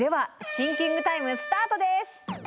シンキングタイムスタートです。